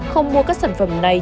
không mua các sản phẩm này